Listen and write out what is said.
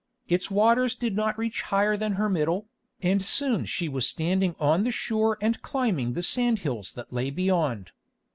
Its waters did not reach higher than her middle, and soon she was standing on the shore and climbing the sandhills that lay beyond.